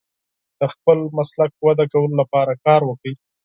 د خپل مسلک وده کولو لپاره کار وکړئ.